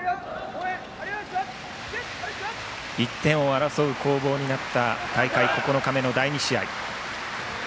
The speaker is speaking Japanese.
１点を争う攻防になった大会９日目の第２試合。